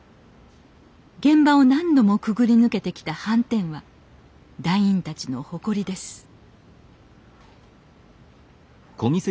現場を何度もくぐり抜けてきたはんてんは団員たちの誇りです